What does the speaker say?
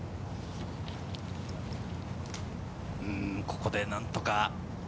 ここで何とか。